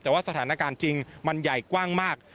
แต่ว่าสถานการณ์จริงมันใหญ่กว้างมาก